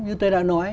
như tôi đã nói